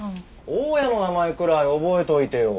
大家の名前くらい覚えといてよ。